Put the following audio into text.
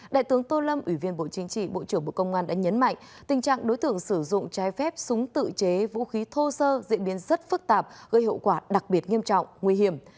đại tướng tô lâm ủy viên bộ chính trị bộ trưởng bộ công an đã nhấn mạnh tình trạng đối tượng sử dụng trái phép súng tự chế vũ khí thô sơ diễn biến rất phức tạp gây hậu quả đặc biệt nghiêm trọng nguy hiểm